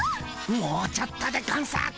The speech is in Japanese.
もうちょっとでゴンス。